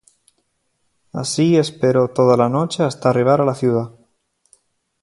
Así esperó toda la noche hasta arribar a la ciudad.